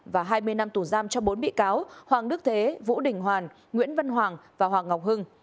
và hai mươi năm tù giam cho bốn bị cáo hoàng đức thế vũ đình hoàn nguyễn văn hoàng và hoàng ngọc hưng